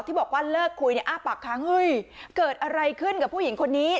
ที่บอกว่าเลิกคุยเนี่ยอ้าปากค้างเฮ้ยเกิดอะไรขึ้นกับผู้หญิงคนนี้